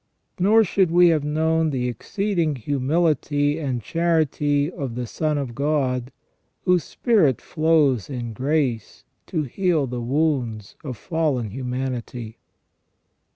Nor should we have known the exceeding humility and charity of the Son of God, whose spirit flows in grace to heal the wounds of fallen humanity.